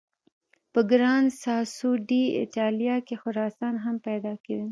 په ګران ساسو ډي ایټالیا کې خرسان هم پیدا کېدل.